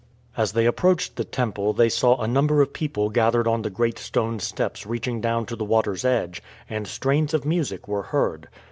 As they approached the temple they saw a number of people gathered on the great stone steps reaching down to the water's edge, and strains of music were heard.